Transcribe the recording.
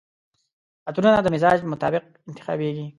عطرونه د مزاج مطابق انتخابیږي.